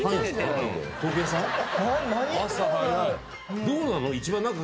どうなの？